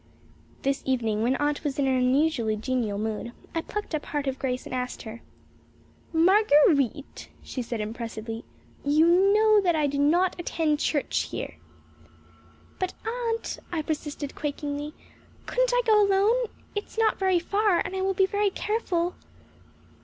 This evening, when Aunt was in an unusually genial mood, I plucked up heart of grace and asked her. "Marguer_ite_," she said impressively, "you know that I do not attend church here." "But, Aunt," I persisted, quakingly, "couldn't I go alone? It is not very far and I will be very careful."